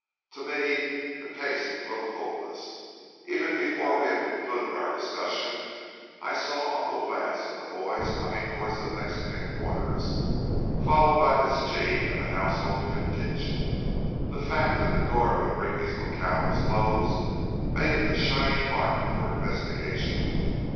To me the case looked hopeless. Even before we had concluded our discussion, I saw Uncle Lance and the boys coming towards the Mexican quarters, followed by Miss Jean and the household contingent. The fact that the door of Enrique's jacal was closed, made it a shining mark for investigation.